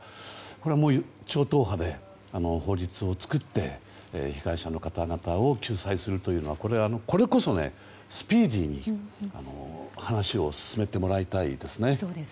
これは超党派で法律を作って被害者の方々を救済するというのはこれこそスピーディーに話を進めてもらいたいですね。